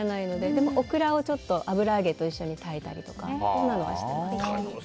でも、オクラを油揚げと一緒に炊いたりとかはしてます。